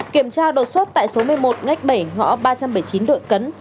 kiểm tra đột xuất tại số một mươi một ngách bảy ngõ ba trăm bảy mươi chín đội cấn